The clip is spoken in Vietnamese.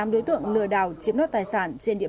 hai mươi tám đối tượng lừa đảo chiếm đoạt tài sản trên địa bàn